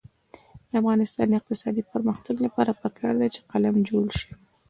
د افغانستان د اقتصادي پرمختګ لپاره پکار ده چې قلم جوړ شي.